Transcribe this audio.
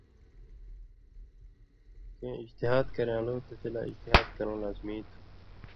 کیں اجتہاد کرہالُوں تسی لا اجتہاد کرؤں لازمی تُھو۔